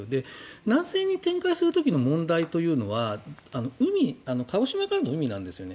南西に展開する時の問題というのは鹿児島からの海なんですね。